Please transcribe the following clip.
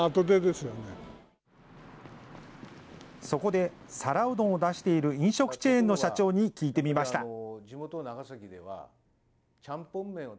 そこで、皿うどんを出している飲食チェーンの社長に聞いてみました。